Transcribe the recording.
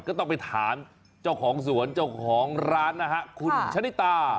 ก็ต้องไปถามเจ้าของสวนเจ้าของร้านนะฮะคุณชะนิตา